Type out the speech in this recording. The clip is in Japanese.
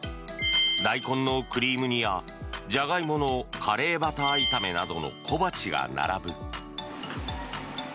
大根のクリーム煮やじゃがいものカレーバター炒めなどの小鉢が並ぶ。